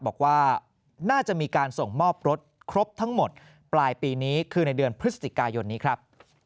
บอกว่าน่าจะมีการส่งมอบรถครบทั้งหมดปลายปีนี้คือในเดือนพฤศจิกายนนี้ครับ